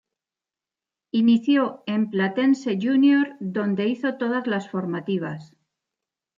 Inició en Platense Junior donde hizo todas las formativas.